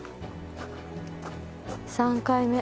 ３回目。